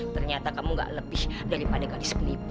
ternyata kamu gak lebih daripada gadis penipu